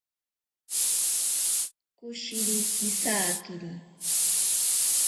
Koshiri kisakiri.